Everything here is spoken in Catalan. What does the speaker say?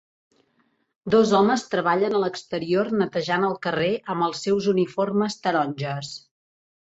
Dos homes treballen a l'exterior netejant el carrer amb els seus uniformes taronges.